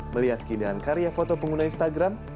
melihat keindahan karya foto pengguna instagram